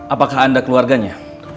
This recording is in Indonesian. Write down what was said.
apakah anda keluarganya